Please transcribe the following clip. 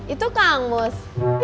itu kang mus